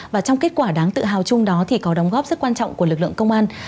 và trong kết quả đáng tự hào chung đó thì có đóng góp rất quan trọng của lực lượng công an